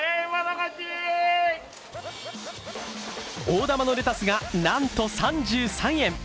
大玉のレタスがなんと３３円。